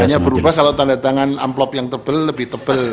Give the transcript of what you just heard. hanya berubah kalau tandatangan amplop yang tebel lebih tebel